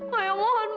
pak yang minta maaf